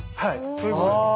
そういうことです。